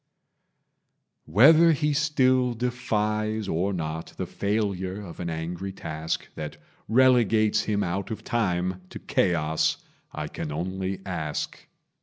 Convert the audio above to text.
Whether he still defies or not The failure of an angry task That relegates him out of time To chaos, I can only ask.